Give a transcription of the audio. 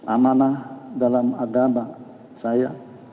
amanah dalam agama saya